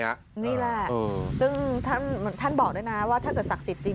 นี่แหละซึ่งท่านบอกด้วยนะว่าถ้าเกิดศักดิ์สิทธิ์จริง